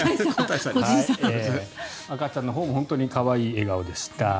赤ちゃんのほうも可愛い笑顔でした。